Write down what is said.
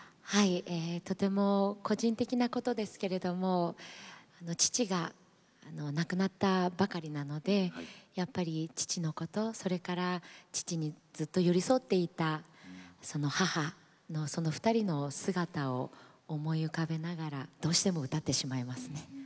とても個人的なことですけれども父が亡くなったばかりなのでやっぱり父のことそれから父にずっと寄り添っていた母その２人の姿を思い浮かべながらどうしても歌ってしまいますね。